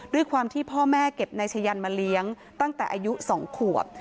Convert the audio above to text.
ด้วยความที่พ่อแม่เก็บนายชะยันมาเลี้ยงตั้งแต่อายุ๒ขวบ